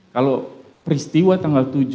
kalau peristiwa tanggal tujuh